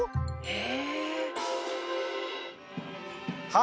え。